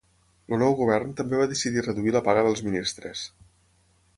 El nou govern també va decidir reduïr la paga dels ministres.